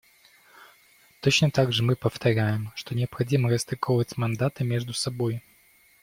Точно так же мы повторяем, что необходимо расстыковать мандаты между собой.